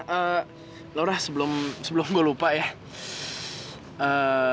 eh ya laura sebelum gue lupa ya